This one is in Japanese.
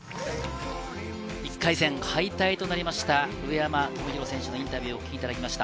１回戦敗退となりました、上山友裕選手のインタビューをお聞きいただきました。